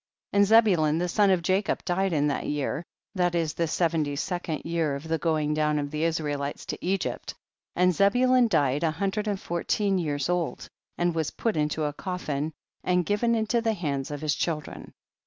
3. And Zebulun the son of Jacob died in that year, that is the seventy second year of the going down of the Israelites to Egypt, and Zebulun died a hundred and fourteen years old, and was put into a coffin and given into the hands of his children.